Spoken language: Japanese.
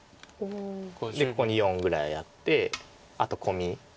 ここに４ぐらいあってあとコミ。